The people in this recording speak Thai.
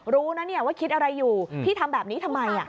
รู้นะเนี่ยว่าคิดอะไรอยู่พี่ทำแบบนี้ทำไม